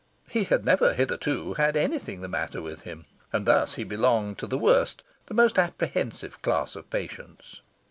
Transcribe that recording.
He had never hitherto had anything the matter with him, and thus he belonged to the worst, the most apprehensive, class of patients.